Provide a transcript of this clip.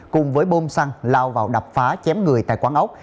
cùng với bơm xăng lao vào đập phá chém người tại quán ốc